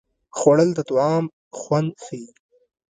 خوړل د طعام خوند ښيي